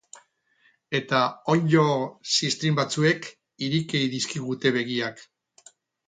Eta onddo ziztrin batzuek ireki dizkigute begiak.